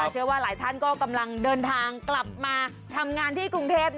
เชื่อว่าหลายท่านก็กำลังเดินทางกลับมาทำงานที่กรุงเทพ